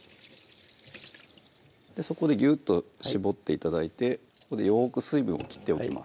そこでギュッと絞って頂いてここでよく水分を切っておきます